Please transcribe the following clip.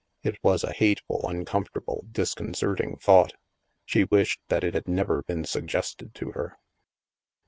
It was a hateful, uncomfort able, disconcerting thought. She wished that it had never been suggested to her.